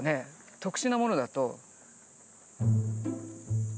特殊なものだと。